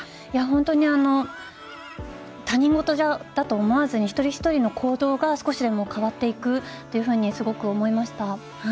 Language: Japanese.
本当に他人事だと思わずに一人一人の行動が少しでも変わっていくというふうにすごく思いました。